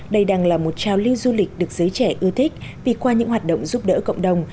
đây đang là một trào lưu du lịch được giới trẻ ưa thích vì qua những hoạt động giúp đỡ cộng đồng